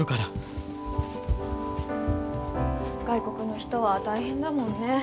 外国の人は大変だもんね。